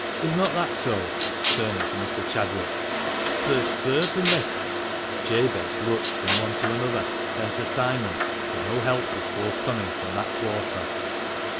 Is not that so?" turning to Mr. Chadwick. " Cer — certainly !" Jabez looked from one to another, then to Simon, but no help was forthcoming from that quarter.